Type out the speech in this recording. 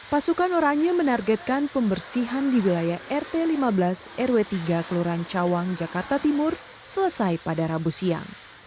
pasukan orangnya menargetkan pembersihan di wilayah rt lima belas rw tiga kelurahan cawang jakarta timur selesai pada rabu siang